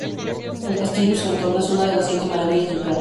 El castillo y su entorno es una de las siete maravillas de Ucrania.